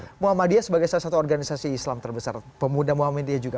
ini jadi salah satu organisasi islam terbesar pemuda muhammadiyah juga